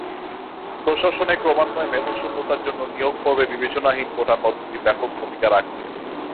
প্রশাসনে ক্রমান্বয়ে মেধাশূন্যতার জন্য নিয়োগ পর্বে বিবেচনাহীন কোটা পদ্ধতি ব্যাপক ভূমিকা রাখছে।